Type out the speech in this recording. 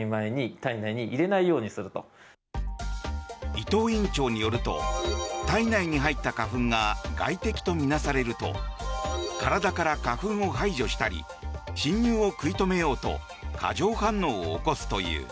伊東院長によると体内に入った花粉が外敵と見なされると体から花粉を排除したり侵入を食い止めようと過剰反応を起こすという。